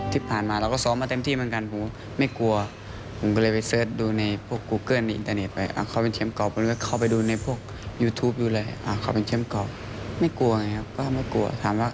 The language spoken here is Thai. ที่ผ่านมาเราก็ซ้อมมาเต็มที่เหมือนกันผมไม่กลัว